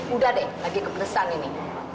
udah deh lagi kepedesan ini